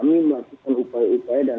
maka harga relatif akan turun